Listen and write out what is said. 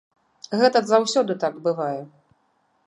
Гэта заўсёды так бывае.